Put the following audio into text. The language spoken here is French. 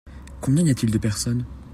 Combien y a-t-il de personnes ?